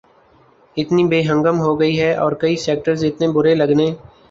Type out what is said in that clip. اتنی بے ہنگم ہو گئی ہے اور کئی سیکٹرز اتنے برے لگنے